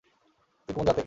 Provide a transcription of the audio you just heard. তুই কোন জাতের?